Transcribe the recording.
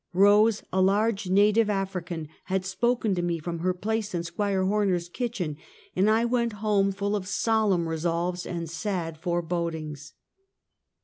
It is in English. Hose, a large native African, had spoken to me from her place in Squire Horner's kitchen, and I went home full of solemn resolves and sad forebod ings.